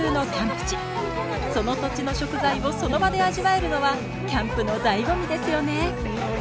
その土地の食材をその場で味わえるのはキャンプのだいご味ですよね